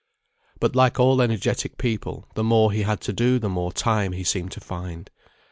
But like all energetic people, the more he had to do the more time he seemed to find.